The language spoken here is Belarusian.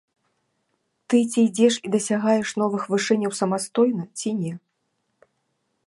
Ты ці ідзеш і дасягаеш новых вышыняў самастойна, ці не.